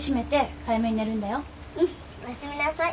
うんおやすみなさい。